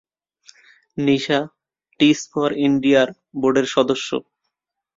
Nisa teach for ইন্ডিয়ার বোর্ডের সদস্য।